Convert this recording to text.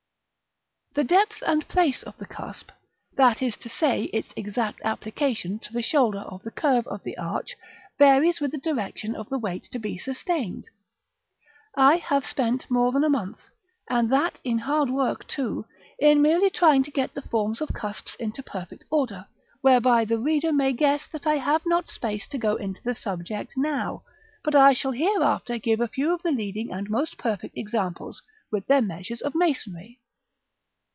§ IX. The depth and place of the cusp, that is to say, its exact application to the shoulder of the curve of the arch, varies with the direction of the weight to be sustained. I have spent more than a month, and that in hard work too, in merely trying to get the forms of cusps into perfect order: whereby the reader may guess that I have not space to go into the subject now; but I shall hereafter give a few of the leading and most perfect examples, with their measures and masonry.